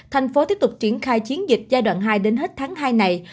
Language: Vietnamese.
thành phố tiếp tục triển khai chiến dịch giai đoạn hai đến hết tháng hai này